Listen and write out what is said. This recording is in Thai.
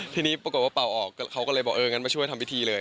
ทีนี้ปรากฏว่าเป่าออกเขาก็เลยบอกเอองั้นมาช่วยทำพิธีเลย